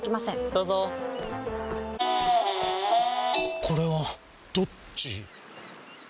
どうぞこれはどっち？